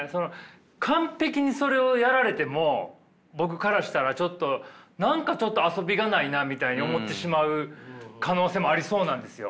完璧にそれをやられても僕からしたらちょっと何かちょっと遊びがないなみたいに思ってしまう可能性もありそうなんですよ。